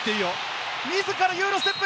自らユーロステップ。